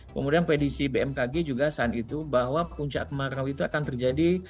kemudian predisi bmkg juga saat itu bahwa puncak kemarau itu akan terjadi